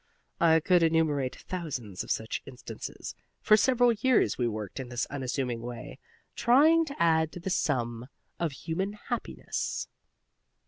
I could enumerate thousands of such instances. For several years we worked in this unassuming way, trying to add to the sum of human happiness."